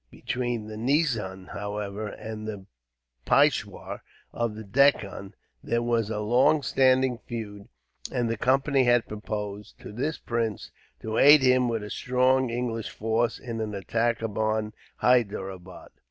Between the nizam, however, and the Peishwar of the Deccan, there was a longstanding feud; and the Company had proposed, to this prince, to aid him with a strong English force, in an attack upon Hyderabad.